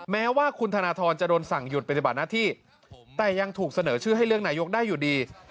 แม้ว่าคุณธนทรจะโดนสั่งหยุดปฏิบัติหน้าที่แต่ยังถูกเสนอชื่อให้เลือกนายกได้อยู่ดี